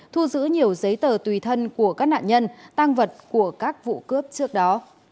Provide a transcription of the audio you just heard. thu giữ nhiều giấy tờ tùy thân của các nạn nhân tăng vật của các vụ cướp trước đó